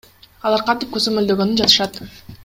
Алар кантип көзөмөлдөгөнү жатышат?